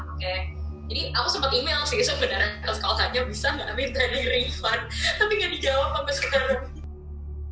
jadi aku sempat email sih sebenarnya kalau tanya bisa nggak tapi tadi refund tapi nggak dijawab sampai sekarang